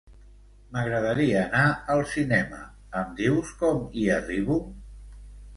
M'agradaria anar al cinema, em dius com hi arribo?